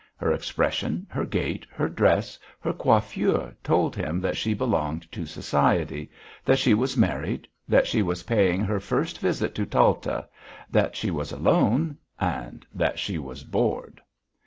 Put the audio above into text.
Her expression, her gait, her dress, her coiffure told him that she belonged to society, that she was married, that she was paying her first visit to Talta, that she was alone, and that she was bored....